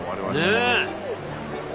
ねえ。